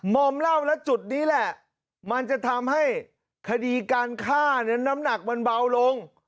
มอมเหล้าแล้วจุดนี้แหละมันจะทำให้คดีการฆ่านั้นน้ำหนักมันเบาลง